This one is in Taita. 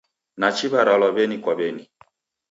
Nachi w'aralwa w'eni kwa w'eni.